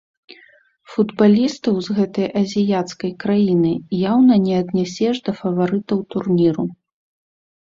Футбалістаў з гэтай азіяцкай краіны яўна не аднясеш да фаварытаў турніру.